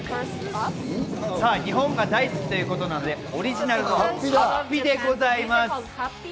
日本が大好きということなので、オリジナルの法被でございます。